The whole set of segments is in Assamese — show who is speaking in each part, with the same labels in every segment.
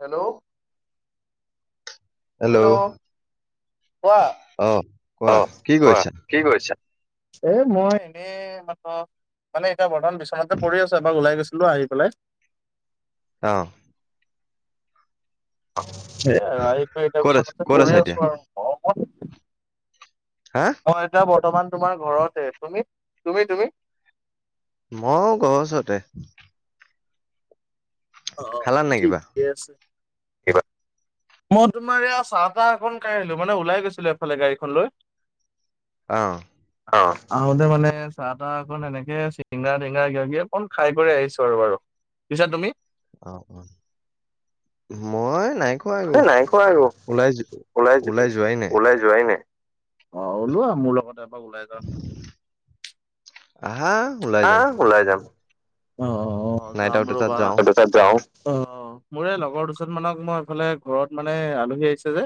Speaker 1: হেল্ল', হেল্ল', কোৱা
Speaker 2: অ কোৱা
Speaker 1: অহ,
Speaker 2: কি
Speaker 1: কোৱা
Speaker 2: কৰিছা
Speaker 1: কি কৰিছা, এ মই এনেই [unintelligible] মানে এটা বটল বৰ্তমান বিচৰাতে পৰি আছোঁ এপাক ওলাই গৈছিলো আহি পেলাই।
Speaker 2: অ',
Speaker 1: সেয়াই আৰু আহি পাই এতিয়া
Speaker 2: ক'ত আছ
Speaker 1: বিচনাতে
Speaker 2: ক'ত আছা
Speaker 1: পৰি
Speaker 2: এতিয়া
Speaker 1: আছো গৰমত।
Speaker 2: হা?
Speaker 1: মই এতিয়া বৰ্তমান তোমাৰ ঘৰতে তুমি- তুমি - তুমি?
Speaker 2: মইও ঘৰৰ ওচৰতে
Speaker 1: অ', অ',
Speaker 2: খালান নাই কিবা
Speaker 1: ঠিকে আছে। মই তোমাৰ এয়া চাহ তাহ এখন কাই আহিলো মানে ওলাই গৈছিলো এফালে গাড়ীখন লৈ।
Speaker 2: অঁ।
Speaker 1: অঁ, আহোতে মানে চাহ তাহ অকন এনেকে চিঙৰা টিঙৰা কিবা কিবি অকণ খাই কৰি আহিছোঁ আৰু বাৰু, পিছে তুমি?
Speaker 2: অঁ অহ মই নাই খোৱা একো
Speaker 1: মই নাই খোৱা আৰু
Speaker 2: ওলাই যো-
Speaker 1: ওলাই যো
Speaker 2: যোৱাই নাই
Speaker 1: ওলাই যোৱাই নাই। অঁ ওলোৱা মোৰ লগত এপাক ওলাই যাওঁ।
Speaker 2: আহা ওলাই যাম
Speaker 1: আহ ওলাই যাম। অঁহ অঁ অঁ
Speaker 2: নাইট
Speaker 1: যাম
Speaker 2: আউট এটাত
Speaker 1: ৰ'বা।
Speaker 2: যাওঁ
Speaker 1: যাও অ মোৰ এই লগৰ দুজন মানক মই এইফালে ঘৰত মানে আলহী আহিছে যে।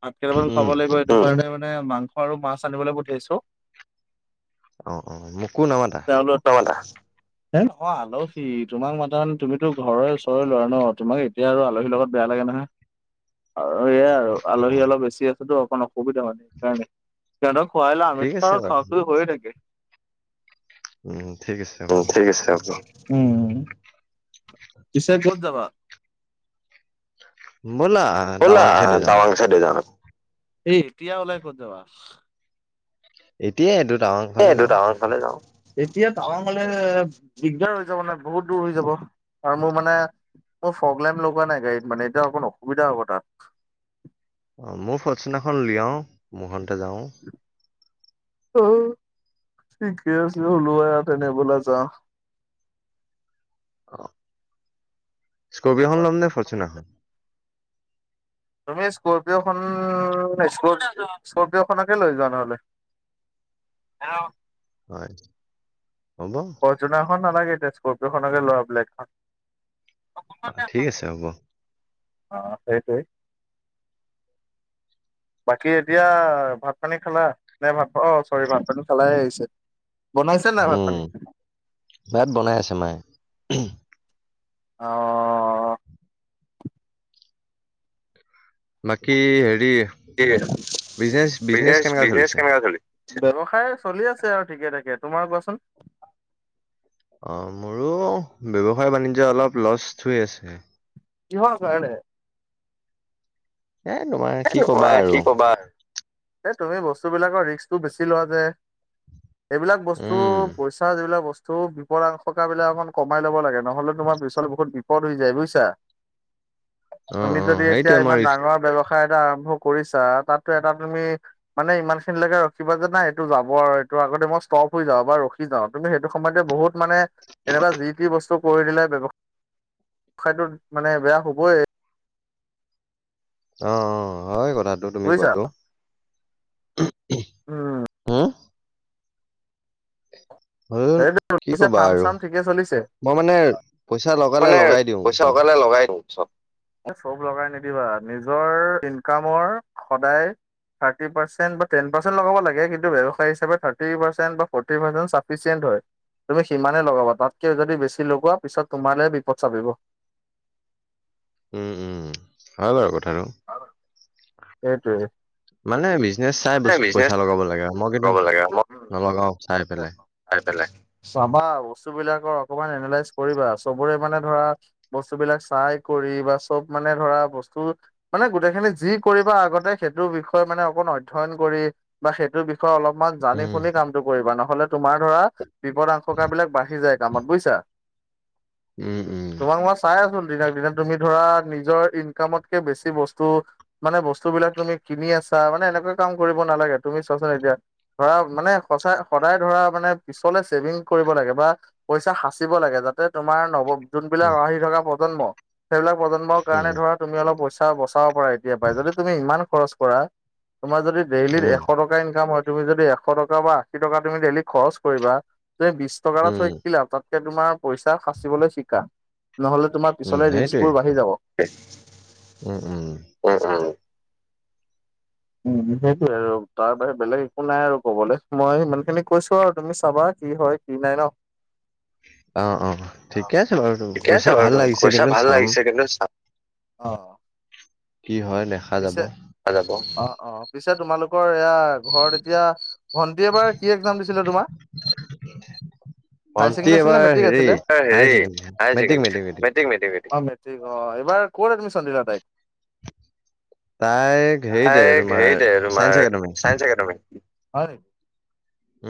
Speaker 1: ভাত কেইটামান খুৱাব
Speaker 2: উম
Speaker 1: লাগিব এইটো কাৰণে মানে মাংস আৰু মাছ আনিবলে পঠিয়াইছো।
Speaker 2: অঁ অঁ মোকো নামাতা?
Speaker 1: [unintelligible] হে নহয় আলহী তোমাক মাতা মানে তুমিতো ঘৰৰে ওচৰৰে ল'ৰা ন তোমাক এতিয়া আৰু আলহীৰ লগত বেয়া লাগে নহয়, আৰু এয়াই আৰু
Speaker 2: অ
Speaker 1: আলহী অলপ বেছি আছে টো অকণ অসুবিধা হয়। সেইকাৰণে, সিহঁতক খুৱাই লওঁ আমি
Speaker 2: ঠিক
Speaker 1: টো
Speaker 2: আছে
Speaker 1: আৰু
Speaker 2: বাৰু
Speaker 1: খোৱা খোই হৈয়ে থাকে।
Speaker 2: উম ঠিক আছে। হ'ব।
Speaker 1: উম ঠিক আছে হ'ব। উম, পিছে ক'ত যাবা?
Speaker 2: বলা
Speaker 1: বলা
Speaker 2: টাৱাং চাইডে যাওঁ
Speaker 1: টাৱাং চাইডে যাওঁ। এই এতিয়া ওলাই ক'ত যাবা?
Speaker 2: এতিয়াই এইটো টাৱাং
Speaker 1: এতিয়াই
Speaker 2: ফালে
Speaker 1: এইটো
Speaker 2: যাওঁ
Speaker 1: টাৱাং ফালে যাওঁ। এতিয়া টাৱাঙলে দিগদাৰ হৈ যাব নহয় বহুত দূৰ হৈ যাব। আৰু মোৰ মানে মোৰ ফ্ৰগ্লেম লগোৱা নাই গাড়ীত মানে এতিয়া অকণ অসুবিধা হ'ব তাত।
Speaker 2: অঁ মোৰ ফৰ্চোনাৰখন উলিয়াও মোৰ খনতে যাওঁ।
Speaker 1: অঁ, ঠিকে আছে ওলোৱা তেনে ব'লা যাওঁ।
Speaker 2: অহ,
Speaker 1: কি কোৱা?
Speaker 2: স্কৰ্পিয়খন লম নে ফৰ্চোনাৰখন?
Speaker 1: তুমি স্কৰ্পিয়খন স্কৰ স্কৰ্পিয়খনকে লৈ যোৱা নহ'লে? হেল্ল'।
Speaker 2: হয়, হ'ব।
Speaker 1: ফৰ্চোনাৰ খন নালাগে এতিয়া স্কৰ্পিয় খনকে লোৱা ব্লেক খন।
Speaker 2: অঁ ঠিক আছে হ'ব।
Speaker 1: অঁ সেইটোৱেই। বাকী এতিয়া ভাত পানী খালা? নে ভাত অঁ চৰি ভাত পানী খালাহে আহিছে। বনাইছে নাই ভাত
Speaker 2: উম,
Speaker 1: পানী?
Speaker 2: ভাত বনাই আছে মায়ে উহুম।
Speaker 1: অঁ।
Speaker 2: বাকী হেৰী
Speaker 1: কি সেইটো, বিজনেছ বিজনেছ
Speaker 2: চলিছে?
Speaker 1: কেনেকুৱা চলি ব্যৱসায় চলি আছে আৰু ঠিকে থাকে। তোমাৰ কোৱাচোন?
Speaker 2: অঁ মোৰো ব্যৱসায় বাণিজ্য অলপ লষ্ট হৈ আছে।
Speaker 1: কিহৰ কাৰণে?
Speaker 2: এ তোমাৰ
Speaker 1: এ
Speaker 2: কি
Speaker 1: নকওঁ
Speaker 2: ক'বা
Speaker 1: আৰু কি ক'বা? এই তুমি বস্তুবিলাকৰ ৰিস্কটো বেছি লোৱা যে। এইবিলাক বস্তু
Speaker 2: উম,
Speaker 1: পইচা যিবিলাক বস্তু ওপৰাং থকা বিলাক অকমান কমাই ল'ব লাগে নহ'লে তোমাৰ পিচলে বহুত বিপদ হৈ যায় বুজিছা?
Speaker 2: অ
Speaker 1: তুমি
Speaker 2: অ
Speaker 1: যদি এতিয়া
Speaker 2: সেইটোৱে মই
Speaker 1: ইমান
Speaker 2: ৰিক্স
Speaker 1: ডাঙৰ ব্যৱ সায় এটা আৰম্ভ কৰিছা, তাতটো এটা তুমি মানে ইমান খিনিলৈকে ৰখিবা যে নাই এইটো যাব আৰু এইটো আগতে মই ষ্টপ হৈ যাওঁ বা ৰখি যাওঁ। তুমি সেইটো সময়তে বহুত মানে এনেকুৱা যি তি বস্তু কৰি দিলে ব্যৱসায়টোত মানে বেয়া হ'বই।
Speaker 2: অঁ অঁ, হয় কথাটো তুমি
Speaker 1: বুজিছা।
Speaker 2: কোৱাটো।
Speaker 1: উম,
Speaker 2: হুম [unintelligible]
Speaker 1: সেইটোৱে
Speaker 2: কি
Speaker 1: পিছে
Speaker 2: ক'বা
Speaker 1: ফাৰ্ম
Speaker 2: আৰু
Speaker 1: চাৰ্ম ঠিকে চলিছে?
Speaker 2: মই মানে পইচা লগালে
Speaker 1: মানে
Speaker 2: লগাই দিওঁ
Speaker 1: পইচা
Speaker 2: চব।
Speaker 1: অকলে লগাই দিম চব। এ চব লগাই নিদিবা, নিজৰ ইনকামৰ সদায় থাৰ্তি পাৰ্চেণ্ট বা টেন পাৰ্চেণ্ট লগাব লাগে। কিন্তু ব্যৱসায় হিচাপত থাৰ্তি পাৰ্চেণ্ট বা ফৰ্তি পাৰ্চেণ্ট চা চাফিচিয়েন্ট হয়। তুমি সিমানে লগাবা, তাতকে যদি বেছি লগোৱা পিছত তোমালে বিপদ চাপিব।
Speaker 2: উম উম হয় বাৰু কথাটো।
Speaker 1: সেইটোৱে।
Speaker 2: মানে বিজনেছ চাই ব
Speaker 1: মানে বিজনেছ
Speaker 2: পইচা লগাব লাগে। মই কিন্তু
Speaker 1: লগাব লাগে মই
Speaker 2: নলগাওঁ চাই পেলাই।
Speaker 1: চাই পেলাই, চাবা বস্তুবিলাকৰ অকমান এনেলাইজ কৰিবা, চবৰে মানে ধৰা বস্তুবিলাক চাই কৰি বা চব মানে ধৰা বস্তু মানে গোটেইখিনি যি কৰিব আগতে সেইটো বিষয়ে মানে অকন অধ্যয়ন কৰি বা সেইটো বি অলপমান জানি
Speaker 2: উম
Speaker 1: শুনি কামটো কৰিবা নহ'লে তোমাৰ ধৰা বিপদ আশংকা বিলাক বাঢ়ি যায় কামত বুজিছা?
Speaker 2: উম উম
Speaker 1: তোমাক মাছ চাই আছোঁ দিনক দিনে তুমি ধৰা নিজৰ ইনকামতকে বেছি বস্তু মানে বস্তুবিলাক তুমি কিনি আছা মানে এনেকুৱা কাম কৰিব নালাগে। তুমি চোৱাচোন এতিয়া ধৰা মানে সঁচাই সদায় ধৰা মানে পিছলে চেভিং কৰিব লাগে বা পইচা সাচিব লাগে। যাতে তোমাৰ নৱ যোনবিলাক
Speaker 2: উম
Speaker 1: আহি থকা প্ৰজন্ম সেইবিলাক প্ৰজন্মৰ
Speaker 2: উম
Speaker 1: কাৰণে ধৰ তুমি অলপ পইচা বচাব পাৰা এতিয়া পৰাই। যদি তুমি ইমান খৰচ কৰা, তোমাৰ যদি ডেইলী
Speaker 2: উম
Speaker 1: এশ ট টকা ইনকাম হয়, তুমি যদি এশ টকা বা আশী টকা তুমি ডেইলি খৰচ কৰিবা যে বিছ টকা এটা
Speaker 2: উম
Speaker 1: থৈ কি লাভ? তাতকে তোমাৰ পইচা সাচিবলৈ শিকা। নহ'লে তোমাৰ
Speaker 2: উম,
Speaker 1: পিছলৈ
Speaker 2: সেইটোৱে।
Speaker 1: ৰিস্কবোৰ বাঢ়ি যাব।
Speaker 2: উম উমম।
Speaker 1: উম উমম। উম, সেইটোৱে আৰু তাৰ বাহিৰে বেলেগ একো নাই আৰু ক'বলে। মই সিমানখিনি কৈছোঁ আৱ তুমি চাবা কি হয় কি নাই ন?
Speaker 2: [inaudible] অঁ অঁ ঠিকে আছে বাৰু তুমি
Speaker 1: ঠিকে আছে
Speaker 2: কৈছা
Speaker 1: বাৰু
Speaker 2: ভাল
Speaker 1: তুমি
Speaker 2: লাগিছে। কিন্তু চাম
Speaker 1: অঁ।
Speaker 2: কি হয় দেখা যাব।
Speaker 1: দেখা যাব। অঁ অঁ পিছে তোমালোকৰ এয়া ঘৰত এতিয়া ভণ্টিয়ে এইবাৰ কি একজাম দিছিলে তোমাৰ? হাই
Speaker 2: ভণ্টি
Speaker 1: চেকেণ্ডেৰী আছিলে নে
Speaker 2: এবাৰ
Speaker 1: মেট্ৰিক
Speaker 2: হেৰি
Speaker 1: আছিলে? এ
Speaker 2: হায়াৰ
Speaker 1: হেৰী
Speaker 2: secondary
Speaker 1: high
Speaker 2: matric
Speaker 1: secondary, matric matric matric. অঁ মে মেট্ৰিক অঁ, এইবাৰ ক'ত এডমিচন দিলা তাইক?
Speaker 2: তাইক হেৰিতে
Speaker 1: তাইক
Speaker 2: তোমাৰ
Speaker 1: হেৰীতে
Speaker 2: চাইন্স
Speaker 1: তোমাৰ
Speaker 2: একাডেমি
Speaker 1: চাইন্স একাডেমি। হয় নেকি?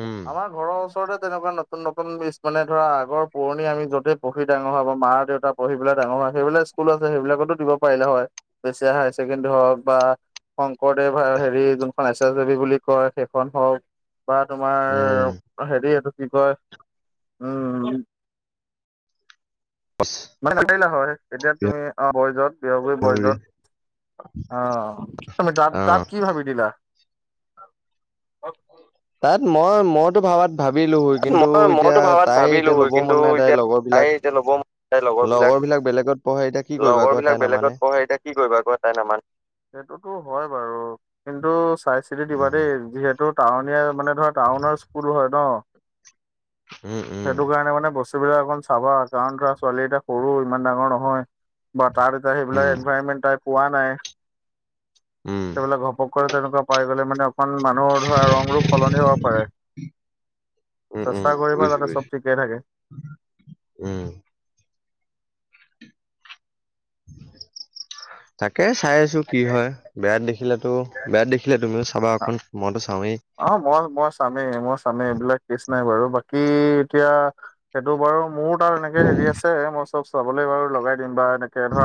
Speaker 2: উম,
Speaker 1: আমাৰ। ঘৰৰ ওচৰতে তেনেকুৱা নতুন নতুন মানে ধৰা আগৰ পুৰণি আমি য'তে পঢ়ি ডাঙৰ হোৱা, আমাৰ মা দেউতা পঢ়ি পেলাই ডাঙৰ হোৱা। সেইবিলাক স্কুলো আছে সেইবিলাকটো দিব পাৰিলা হয়। বেছেয়া হায়াৰ চেকেণ্ডেৰী হওঁক বা শংকৰদেৱ আৰু হেৰী যোনখন এচছৱী বুলি কয়। সেইখন হওঁক বা
Speaker 2: উম।
Speaker 1: তোমাৰ হেৰী এইটো কি কয়? উম
Speaker 2: বচ
Speaker 1: দিব পাৰিলা হয় এতিয়া তুমি অঁ বয়েজত
Speaker 2: শিলিগুৰি।
Speaker 1: বয়েজত অঁ তুমি তাত
Speaker 2: অ'।
Speaker 1: তাত কি ভাবি দিলা?
Speaker 2: তাত মই মইতো ভাবাত ভাবিলো হয়। কিন্তু
Speaker 1: মই
Speaker 2: এতিয়া
Speaker 1: মইতো ভাবাত
Speaker 2: তাই
Speaker 1: ভাবিলো
Speaker 2: এতিয়া ল'ব
Speaker 1: কিন্তু
Speaker 2: মন নাই তাইৰ
Speaker 1: এতিয়া
Speaker 2: লগৰ
Speaker 1: তাই
Speaker 2: বিলাক
Speaker 1: এতিয়া ল'ব তাই
Speaker 2: লগৰ বিলাক বেলেগত পঢ়ে এতিয়া কি কৰিবা
Speaker 1: লগৰ
Speaker 2: কোৱা
Speaker 1: বিলাক
Speaker 2: তাই
Speaker 1: বেলেগত
Speaker 2: নামানে।
Speaker 1: পঢ়ে এতিয়া কি কৰিবা কোৱা তাই নামানে। সেইটোতো হয় বাৰু কিন্তু চাই চিতি দিবা
Speaker 2: উম,
Speaker 1: দেই যিহেতু টাউনীয়া মানে ধৰা টাউনৰ স্কুল হয় ন?
Speaker 2: উম- উম।
Speaker 1: সেইটো কাৰণে মানে বস্তুবিলাক অকণ চাবা কাৰণ ধৰা ছোৱালী এতিয়া সৰু ইমান ডাঙৰ নহয়। বা তাৰভিতৰত সেইবিলাক
Speaker 2: উম,
Speaker 1: এনভাইৰমেন্ট তাই পোৱা নাই
Speaker 2: উম,
Speaker 1: সেইবিলাক ঘপকৈ তেনেকুৱা পাই গ'লে মানে অকমান মানুহৰ ধৰা ৰং ৰূপ সলনি হ'ব পাৰে।
Speaker 2: উম, উম,
Speaker 1: চেষ্টা কৰিবা
Speaker 2: বুজিছো
Speaker 1: যাতে
Speaker 2: বুজিছো
Speaker 1: চব ঠিকে থাকে।
Speaker 2: উম। তাকে চাই আছো কি হয়
Speaker 1: তাকে
Speaker 2: বেয়াত দেখিলেতো বেয়াত দেখিলে তুমিও চাবা অকন মইতো চাওঁৱে।
Speaker 1: অ', মই-মই চামেই মই চামে এইবিলাক কেছ নাই বাৰু বাকী এতিয়া সেইটো বাৰু মোৰো তাত এনেকে হেৰি আছে মই চব চাবলে বাৰু লগাই দিম বা এনেকে ধৰা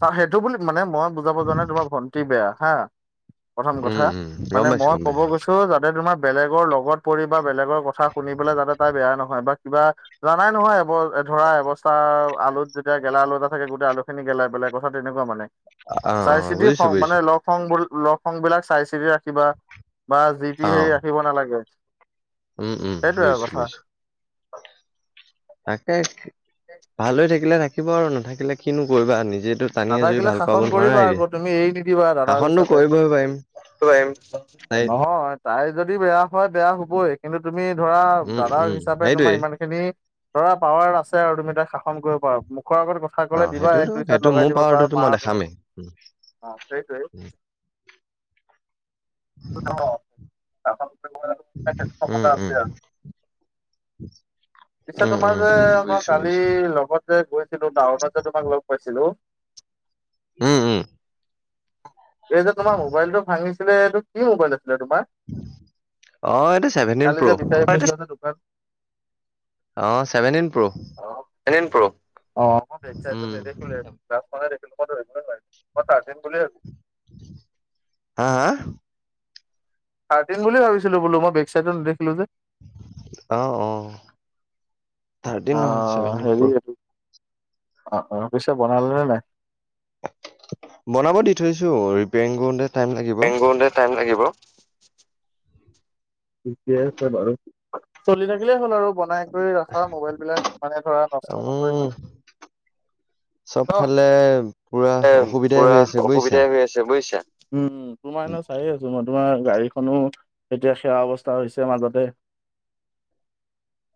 Speaker 1: চোৱা সেইটো বুলি মানে মই বুজাব যোৱা নাই তোমাৰ ভন্টি বেয়া হা প্ৰথম কথা
Speaker 2: উম উম গম
Speaker 1: মানে
Speaker 2: পাইছো
Speaker 1: মই
Speaker 2: গম
Speaker 1: ক'ব
Speaker 2: পাইছো
Speaker 1: গৈছো যাতে তোমাৰ বেলেগৰ লগত পৰি বা বেলেগৰ কথা শুনি পেলাই যাতে তাই বেয়া নহয় বা কিবা জানাই নহয় এইবোৰ ধৰা এৱস্থা আলুত যেতিয়া গেলা আলু এটা থাকে গোটেই আলু খিনি গেলাই পেলাই কথাটো এনেকুৱা মানে।
Speaker 2: অ অ
Speaker 1: চাই চিতি
Speaker 2: বুজিছো
Speaker 1: সং মানে
Speaker 2: বুজিছো
Speaker 1: লগ সংবোৰ লগ সং বিলাক চাই চিতি ৰাখিবা বা যি টি
Speaker 2: অ
Speaker 1: হেৰি ৰাখিব নালাগে।
Speaker 2: উম -উম,
Speaker 1: সেইটোৱে
Speaker 2: বুজিছোঁ
Speaker 1: কথা
Speaker 2: -বুজিছোঁ। তাকে ভাল হৈ থাকিলে ৰাখিব আৰু নাথাকিলে কিনো কৰিবা নিজেতো টানি আজুৰি
Speaker 1: নাথাকিলে
Speaker 2: ভাল কৰাব
Speaker 1: শাসন
Speaker 2: নোৱাৰা
Speaker 1: কৰিবা
Speaker 2: এতিয়া।
Speaker 1: আকৌ তুমি এৰি নিদিবা দাদাক
Speaker 2: শাসনটো
Speaker 1: হিচাপে।
Speaker 2: কৰিবই পাৰিম।
Speaker 1: [unintelligible]
Speaker 2: সেই
Speaker 1: নহয় তাই যদি বেয়া হয় বেয়া হবই কিন্তু তুমি ধৰা
Speaker 2: উম
Speaker 1: দাদাক
Speaker 2: উম
Speaker 1: হিচাপে তোমাৰ
Speaker 2: সেইটোৱেই
Speaker 1: ইমান খিনি ধৰা, পাৱাৰ আছে আৰু তুমি তাইক শাসন কৰিব পাৰা মুখৰ আগত কথা
Speaker 2: অ
Speaker 1: ক'লে দিবা এক
Speaker 2: সেইটোতো
Speaker 1: দুই চাত
Speaker 2: সেইটো
Speaker 1: লগাই।
Speaker 2: মোৰ পাৱাৰটোতো মই দেখামেই।
Speaker 1: [unintelligible] অ, সেইটোৱে। [unintelligible] সেইটো ক্ষমতা
Speaker 2: উম-
Speaker 1: আছে
Speaker 2: উম।
Speaker 1: আৰু পিছে
Speaker 2: উম
Speaker 1: তোমাৰ
Speaker 2: উম
Speaker 1: যে মই
Speaker 2: বুজিছো
Speaker 1: কালি
Speaker 2: বুজিছো
Speaker 1: লগত যে গৈছিলোঁ ডাউনত যে তোমাক লগ পাইছিলোঁ
Speaker 2: উম -উম।
Speaker 1: এই যে তোমাৰ মোবাইলটো ভাঙিছিলে এইটো কি মোবাইল আছিলে তোমাৰ?
Speaker 2: অ এইটো ছেভেনটিন
Speaker 1: কালি
Speaker 2: প্ৰ'
Speaker 1: যে বিচাৰি [unintelligible] যে দোকান
Speaker 2: অ, চেভেণ্টিন প্ৰ'।
Speaker 1: অ, [unintelligible] প্ৰ
Speaker 2: উম
Speaker 1: [unintelligible] [unintelligible] মই চাৰজিং বুলি [unintelligible]
Speaker 2: আ- আহ।
Speaker 1: থাৰ্টিন বুলি ভাবিছিলোঁ বোলো মই বেক চাইদটো নেদেখিলো যে।
Speaker 2: অ', অ',
Speaker 1: অ
Speaker 2: থাৰ্টিন নহয় চেভেনটিন
Speaker 1: হেৰি
Speaker 2: প্ৰ।
Speaker 1: এইটো অ', অ', পিছে বনালে নে নাই?
Speaker 2: বনাব দি থৈছো ৰিপেয়াৰিং কৰোতে টাইম লাগিব।
Speaker 1: পেং কৰোঁতে টাইম লাগিব। ঠিকে আছে বাৰু চলি থাকিলেই হ'ল আৰু। বনাই কৰি ৰাখা মোবাইল বিলাক মানে ধৰা নষ্ট নকৰিবা।
Speaker 2: চব
Speaker 1: ন
Speaker 2: ফালে পুৰা অসুবিধাই হৈ আছে বুইছা?
Speaker 1: ছে বুইছা উম, তোমাৰ এনো চাই আছো মই তোমাৰ গাড়ীখনো এতিয়া সেয়া অৱস্থা হৈছে মাজতে।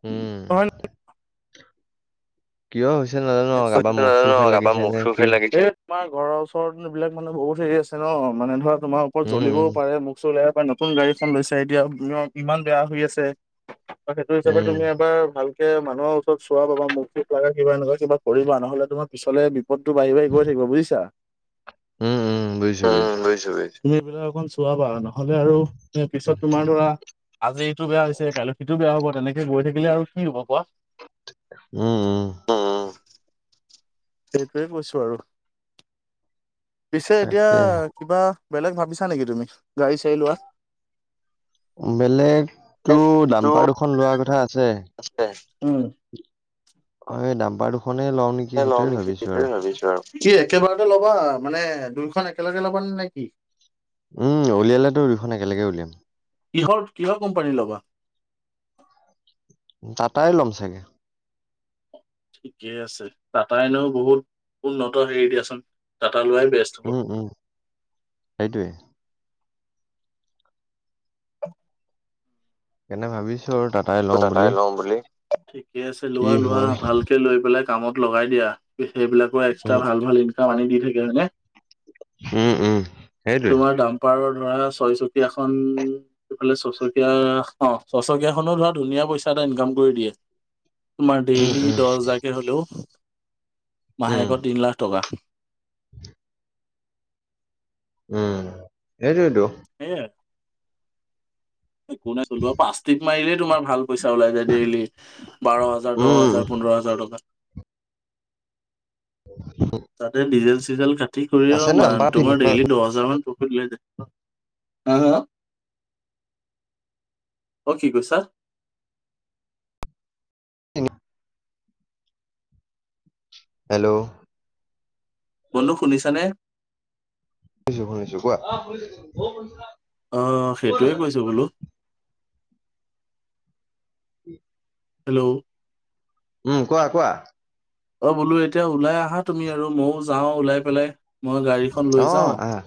Speaker 2: উম,
Speaker 1: হয় ন
Speaker 2: কিয় হৈছে না
Speaker 1: ন [unintelligible] জানো আৰু কাৰবাৰ মুখ চুখে লাগিছে ধেত। তোমাৰ ঘৰৰ ওচৰত এইবিলাক মানে বহুত হেৰি আছে ন, মানে ধৰা তোমাৰ পৰত
Speaker 2: উম,
Speaker 1: জ্বলিবও
Speaker 2: উম,
Speaker 1: পাৰে মুখ চুখ লাগিব পাৰে নতুন গাড়ীএখন লৈছা এতিয়া ইমান বেয়া হৈ আছে। অ, সেইটো হিচাপে
Speaker 2: উম।
Speaker 1: তুমি এবাৰ ভালকে মানুহৰ ওচৰত চোৱা বাবা মুখ সুখ লাগা কিবা এনেকুৱা কিবা কৰিবা নহ'লে তোমাৰ পিছলে বিপদটো বাঢ়ি-বাঢ়ি গৈ থাকিব বুজিছা?
Speaker 2: উম, উম, বুজিছো
Speaker 1: উম বুজিছো বুজিছো, তুমি এইবিলাক অকন চোৱাবা। নহলে আৰু পিছত তোমাৰ ধৰা আজি টো বেয়া হৈছে কাইলৈ সিটো বেয়া হ'ব তেনেকে গৈ থাকিলে আৰু কি হ'ব কোৱা?
Speaker 2: উম উম।
Speaker 1: উ উ। সেইটোৱে কৈছো আৰু, পিছে এতিয়া
Speaker 2: তাকে
Speaker 1: কিবা বেলেগ ভাবিছা নেকি তুমি গাড়ী চাড়ী লোৱা?
Speaker 2: বেলেগ টো
Speaker 1: টো
Speaker 2: দাম্পাৰ দুখন লোৱাৰ কথা আছে।
Speaker 1: আছে উম।
Speaker 2: অ এই দাম্পাৰ দুখনে লও নেক-
Speaker 1: লওঁ নেকি সেইটোয়ে ভাবিছো আৰু। কি একেবাৰতে ল'বা মানে দুইখন একেলগে ল'বা নে নে কি?
Speaker 2: উম উলিয়ালেতো দুখন একেলগে উলিয়াম।
Speaker 1: কিহৰ কিহৰ কোম্পানী ল'বা?
Speaker 2: টাটাই ল'ম চাগে।
Speaker 1: ঠিকে আছে টাটাই ন বহুত উন্নত হেৰি দিয়াচোন টাটা লোৱাই বেষ্ট। হ'ব।
Speaker 2: উম উম সেইটোৱে। কেনে ভাবিছো আৰু তাত
Speaker 1: টাটাই লম বুলি, ঠিকে আছে
Speaker 2: কি
Speaker 1: লোৱা লোৱা
Speaker 2: হয়
Speaker 1: ভাল লৈ পেলাই কামত লগাই দিয়া, সেইবিলাকৰ এক্সট্ৰা
Speaker 2: উম
Speaker 1: ভাল ভাল ইনকাম আনি দি থাকে হয়নে?
Speaker 2: উম উম। সেইটোৱে
Speaker 1: তোমাৰ ডাম্পাৰৰ ধৰা ছয় চকীয়াখন এইফালে চচকীয়া অ চচকীয়াখনো ধৰা ধুনীয়া পইচা এটা ইনকাম কৰি দিয়ে। তোমাৰ ডেইলি
Speaker 2: উম
Speaker 1: দহ হাজাৰকে হলেও
Speaker 2: উম
Speaker 1: মাহেকত তিনি লাখ টকা।
Speaker 2: উম এইটোৱে ত।
Speaker 1: সেয়া। একো নাই চলোৱা পাষ্টিক মাৰিলে তোমাৰ ভাল। পইচা ওলাই যায় ডেইলি বাৰ হাজাৰ দহ
Speaker 2: উম
Speaker 1: হাজাৰ পোন্ধৰ হাজাৰ টকা
Speaker 2: [unintelligible]
Speaker 1: তাতে ডিজেল চিজেল কাটি কৰিও
Speaker 2: আছে ন নাম্বাৰ তিনি
Speaker 1: তোমাৰ ডেইলি দহ হাজাৰ মান প্ৰফিট লৈ যায়। হ হ, অ কি কৈছা?
Speaker 2: হেল্ল'।
Speaker 1: বন্ধু শুনিছানে?
Speaker 2: শুনিছো শুনিছো। কোৱা?
Speaker 1: অ সেইটোৱে কৈছো বোলো।
Speaker 2: [unintelligible]
Speaker 1: হেল্ল'
Speaker 2: উম কোৱা, কোৱা?
Speaker 1: অ বোলো এতিয়া ওলাই আহা তুমি আৰু মইও যাওঁ ওলাই পেলাই। মই গাড়ীখন লৈ
Speaker 2: অ
Speaker 1: যাও,
Speaker 2: আহ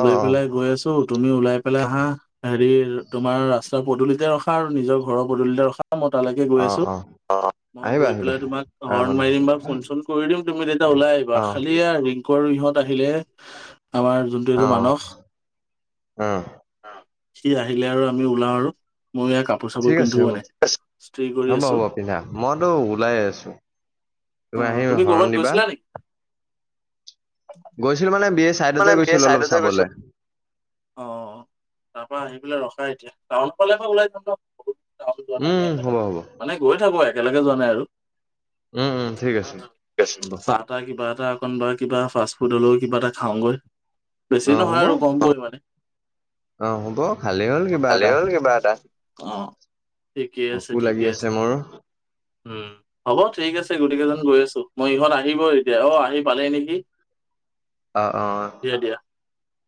Speaker 2: অ
Speaker 1: লৈ
Speaker 2: অ
Speaker 1: পেলাই গৈ আছ- তুমি ওলাই পেলাই আহা হেৰি তোমাৰ ৰাস্তাৰ পদূলিতে ৰখা আৰু নিজৰ ঘৰৰ পদুলিতে ৰখা মই তালৈকে গৈ আছো। অ হক। মই
Speaker 2: আহিবা
Speaker 1: গৈ
Speaker 2: আহিবা
Speaker 1: পেলাই তোমাক হৰ্ণ
Speaker 2: আৰামত
Speaker 1: মাৰিম বা ফোন চোন কৰি দিম তুমি তেতিয়া ওলাই আহিবা
Speaker 2: অ
Speaker 1: খালী আ ৰিং কৰ ইহঁত আহিলে আমাৰ যোনটো
Speaker 2: অ
Speaker 1: এইটো মানস
Speaker 2: অ।
Speaker 1: সি আহিলে আৰু আমি ওলাম আৰু ময়ো এয়া কাপ- কাপোৰ
Speaker 2: ঠিক
Speaker 1: চাপোৰ
Speaker 2: আছে
Speaker 1: পিন্ধো
Speaker 2: হ'ব
Speaker 1: [unintelligible] স্ত্ৰী কৰি
Speaker 2: হ'ব হ'ব
Speaker 1: আছো।
Speaker 2: পিন্ধা মইতো ওলাই আছো।
Speaker 1: অ
Speaker 2: তুমি আহি হৰণ
Speaker 1: কৰ'বাত
Speaker 2: দিবা
Speaker 1: গৈছিলা নেকি?
Speaker 2: গৈছিলো মানে বিয়ে চাইড যে
Speaker 1: মানে বি
Speaker 2: গৈছিলো অলপ
Speaker 1: চাইডতে গৈছো।
Speaker 2: চাবলে
Speaker 1: অ তা পা আহি পেলাই ৰখা এতিয়া টাউন ফালে ত ওলাই যাম ন। বহুত টাউন যোৱা নাই নে
Speaker 2: উম হ'ব
Speaker 1: একেলগে,
Speaker 2: হ'ব
Speaker 1: মানে গৈ থাকো একেলগে যোৱা নাই আৰু
Speaker 2: উম উম ঠিক
Speaker 1: ক
Speaker 2: আছে হ'ব
Speaker 1: [unintelligible] বা কিবা এটা অকন বা কিবা ফাষ্ট ফুড হলেও কিবা এটা খাওঁগৈ। বেছি
Speaker 2: অ
Speaker 1: নহয়
Speaker 2: হ'ব
Speaker 1: আৰু গমটো মানে।
Speaker 2: অ হ'ব ভালেই হ'ল কিবা এটা
Speaker 1: ভালেই হ'ল কিবা এটা, অ। ঠিকেই আছে
Speaker 2: ভোকো লাগি
Speaker 1: ঠিকে আছে,
Speaker 2: মোৰো
Speaker 1: উম। হ'ব ঠিক আছে গোটেই কেইজন গৈ আছো, মই ইহত আহিব এতিয়া অ আহি পালেই নেকি?
Speaker 2: আ অ।
Speaker 1: দিয়া দিয়া।